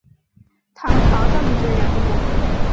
唐朝政治人物。